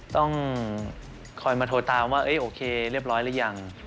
ต้องคอยมาโทรตามว่าโอเคเรียบร้อยหรือยัง